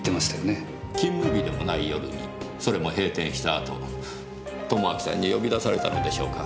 勤務日でもない夜にそれも閉店した後友章さんに呼び出されたのでしょうか。